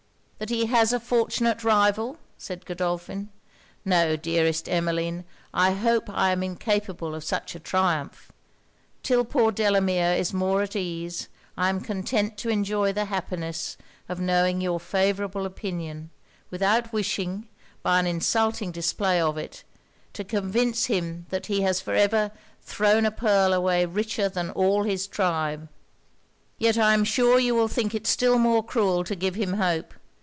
'That he has a fortunate rival?' said Godolphin. 'No, dearest Emmeline, I hope I am incapable of such a triumph! 'Till poor Delamere is more at ease, I am content to enjoy the happiness of knowing your favourable opinion, without wishing, by an insulting display of it, to convince him he has for ever 'Thrown a pearl away richer than all his tribe!' 'Yet I am sure you will think it still more cruel to give him hope.